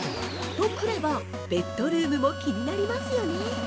と来れば、ベッドルームも気になりますよね。